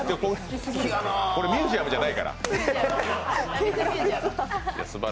ミュージアムじゃないから。